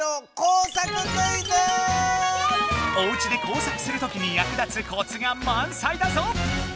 おうちで工作するときにやく立つコツがまんさいだぞ！